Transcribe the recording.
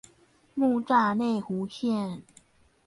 木柵內湖線